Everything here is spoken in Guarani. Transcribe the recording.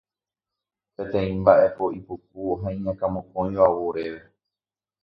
Peteĩ mba'e po'i, puku ha iñakãmokõiva ou oréve.